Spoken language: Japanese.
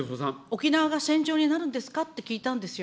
沖縄が戦場になるんですかって聞いたんですよ。